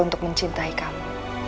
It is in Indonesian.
untuk mencintai kamu